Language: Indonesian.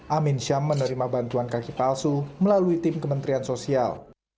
amin syam menerima bantuan kaki palsu melalui tim kementerian sosial